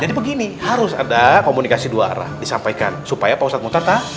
jadi begini harus ada komunikasi dua arah disampaikan supaya pak ustadz bukhtar tau